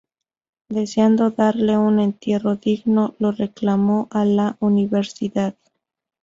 Deseando darle un entierro digno, lo reclamó a la universidad.